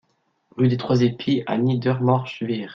Rue des Trois Epis à Niedermorschwihr